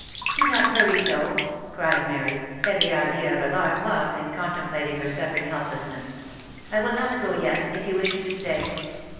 " Do not hurry so !" cried Mary, every idea of alarm lost in con templating her suffering helplessness. " I will not go yet, if you wish me to stay."